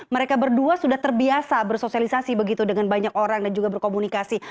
mereka berdua sudah terbiasa bersosialisasi begitu dengan banyak orang dan juga berkomunikasi